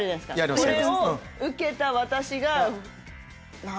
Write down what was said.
これを受けた私が。